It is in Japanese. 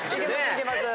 いけます！